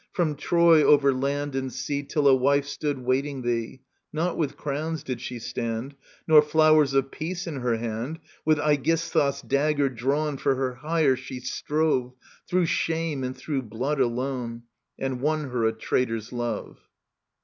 From Troy over land and sea, Till a wife stood waiting thee ; Not with crowns did she stand, Nor flowers of peace in her hand ; With Aegisthiis' dagger drawn For her hire she strove. Through shame and through blood alone ; And won her a traitor's love.